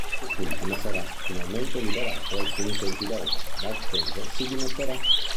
Quest'ultimo sarà finalmente liberato alcuni tempi dopo, ma offeso, si dimetterà.